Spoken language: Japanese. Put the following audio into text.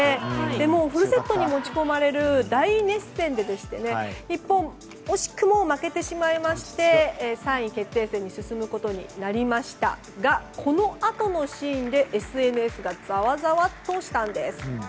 もうフルセットに持ち込まれる大熱戦で日本惜しくも負けてしまいまして３位決定戦に進むことになりましたがこのあとのシーンでＳＮＳがざわざわとしたんです。